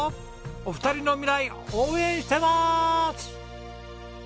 お二人の未来応援してます！